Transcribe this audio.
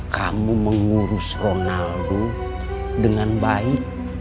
kamu mengurus ronaldo dengan baik